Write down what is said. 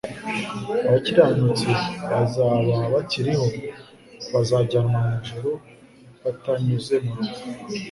abakiranutsi bazaba bakiriho bazajyanwa mu ijuru batanyuze mu rupfu.